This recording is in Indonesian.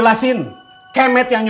nah setelah pulang aja